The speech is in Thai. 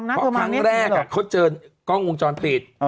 เพราะครั้งแรกเขาเจอกล้องวงจรปิด